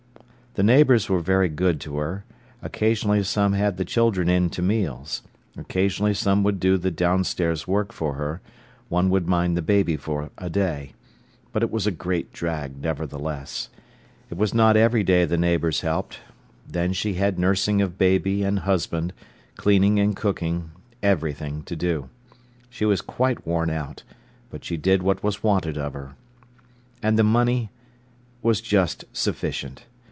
The neighbours were very good to her: occasionally some had the children in to meals, occasionally some would do the downstairs work for her, one would mind the baby for a day. But it was a great drag, nevertheless. It was not every day the neighbours helped. Then she had nursing of baby and husband, cleaning and cooking, everything to do. She was quite worn out, but she did what was wanted of her. And the money was just sufficient.